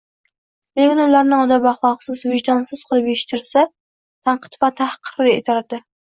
Lekin ularni odob-axloqsiz, vijdonsiz qilib yetishtirsa, tanqid va tahqir etadi.